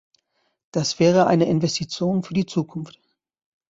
Das wäre eine Investition für die Zukunft.